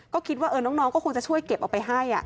ก็คิดว่าน้องก็คงจะช่วยเก็บออกไปให้